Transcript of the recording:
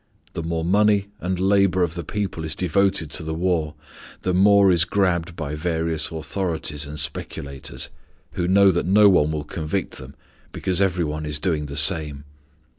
The more money and labor of the people is devoted to the war, the more is grabbed by various authorities and speculators, who know that no one will convict them because every one is doing the same.